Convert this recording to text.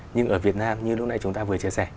nhưng ở việt nam như lúc này chúng ta vừa chia sẻ